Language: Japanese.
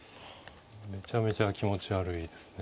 めちゃめちゃ気持ち悪いですね。